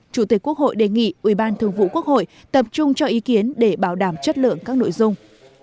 chủ tịch quốc hội đề nghị ủy ban thường vụ quốc hội tập trung cho ý kiến để bảo đảm chất lượng các nội dung